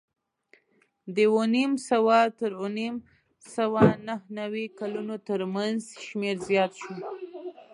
د اوه نیم سوه تر اوه سوه نهه نوې کلونو ترمنځ شمېر زیات شو